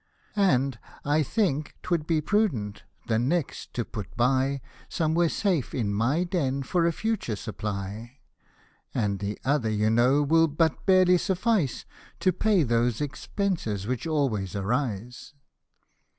" And, I think, 'twould be prudent, the next to put by Somewhere safe in my den for a future supply ; And the other, you know, will but barely suffice, To pay those expences which always arise."